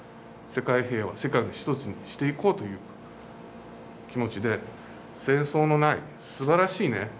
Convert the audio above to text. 世界平和世界を一つにしていこうという気持ちで戦争のないすばらしいね